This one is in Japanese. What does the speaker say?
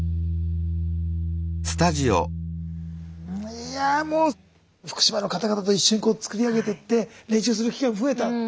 いやぁもう福島の方々と一緒にこう作り上げてって練習する機会も増えた。